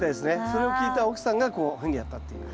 それを聞いた奥さんがこういうふうにやったという。